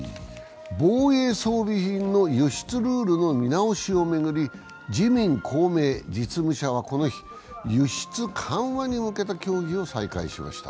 防衛装備品の輸出ルールの見直しを巡り、自民・公明の実務者はこの日輸出緩和に向けた協議を再開しました。